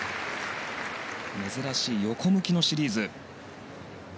珍しい、横向きのシリーズ。